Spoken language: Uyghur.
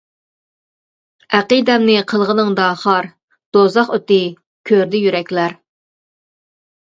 ئەقىدەمنى قىلغىنىڭدا خار، دوزاخ ئوتى كۆردى يۈرەكلەر.